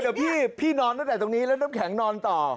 เดี๋ยวพี่นอนตั้งแต่ตรงนี้แล้วน้ำแข็งนอนต่อ